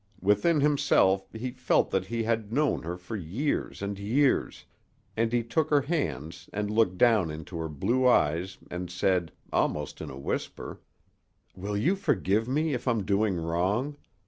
Within himself he felt that he had known her for years and years, and he took her hands and looked down into her blue eyes and said, almost in a whisper: "Will you forgive me if I'm doing wrong?